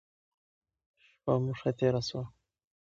شپه مو ښه تیره شوه.